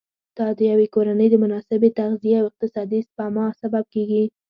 دا د یوې کورنۍ د مناسبې تغذیې او اقتصادي سپما سبب کېږي.